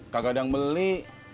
kagak ada yang beli